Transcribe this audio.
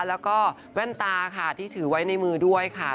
แล้วก็แว่นตาค่ะที่ถือไว้ในมือด้วยค่ะ